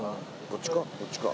こっちか？